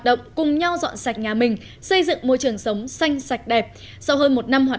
động cùng nhau dọn sạch nhà mình xây dựng môi trường sống xanh sạch đẹp sau hơn một năm hoạt